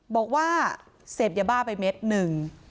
บอกว่าเสพยาบ้าไปเม็ดหนึ่ง